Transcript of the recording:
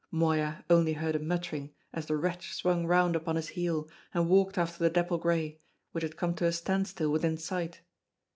Moya only heard a muttering as the wretch swung round upon his heel, and walked after the dapple grey, which had come to a standstill within sight.